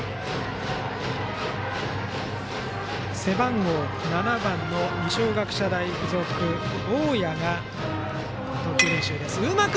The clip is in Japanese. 背番号７番の二松学舎大付属大矢が投球練習をしています。